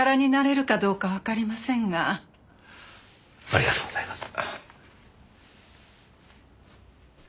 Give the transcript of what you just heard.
ありがとうございます。